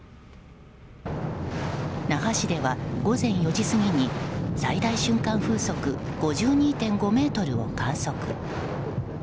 那覇市では、午前４時過ぎに最大瞬間風速５２．５メートルを観測。